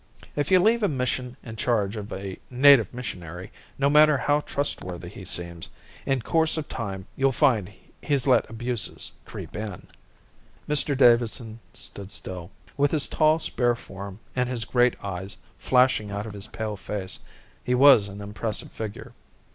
If you leave a mission in charge of a native missionary, no matter how trustworthy he seems, in course of time you'll find he's let abuses creep in." Mr Davidson stood still. With his tall, spare form, and his great eyes flashing out of his pale face, he was an impressive figure.